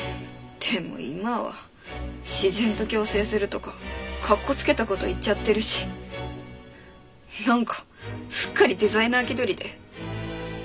でも今は自然と共生するとかかっこつけた事言っちゃってるしなんかすっかりデザイナー気取りで。